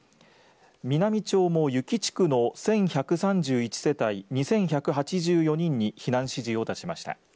美波町も由岐地区の１１３１世帯２１８４人に避難指示を出しました。